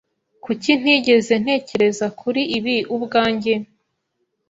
Kuki ntigeze ntekereza kuri ibi ubwanjye?